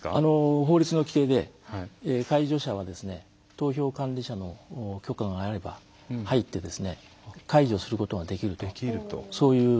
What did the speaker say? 法律の規定で介助者は投票管理者の許可があれば入って介助することができるとそういう規定があります。